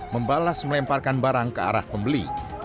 membalas melemparkan barang ke arah pembeli